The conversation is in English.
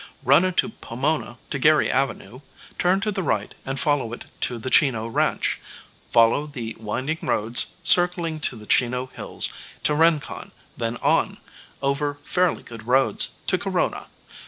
Run into Pomona to Gary avenue, turn to the right and follow it to the Chino ranch; follow the winding roads, circling to the Chino hills, to Rincon, then on, over fairly good roads, to Corona.